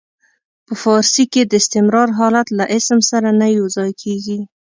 په فارسي کې د استمرار حالت له اسم سره نه یو ځای کیږي.